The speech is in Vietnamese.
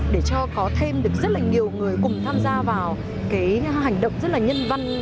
để cho có thêm được rất là nhiều người cùng tham gia vào cái hành động rất là nhân văn